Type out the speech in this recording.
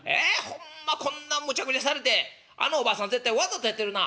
ホンマこんなむちゃくちゃされてあのおばあさん絶対わざとやってるな」。